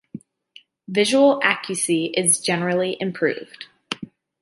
Visual acuity is generally improved.